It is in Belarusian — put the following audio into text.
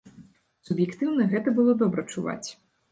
Суб'ектыўна, гэта было добра чуваць.